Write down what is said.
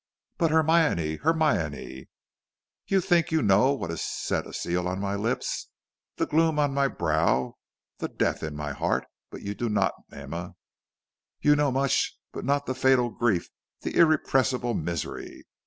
"But Hermione, Hermione " "You think you know what has set a seal on my lips, the gloom on my brow, the death in my heart; but you do not, Emma. You know much, but not the fatal grief, the irrepressible misery.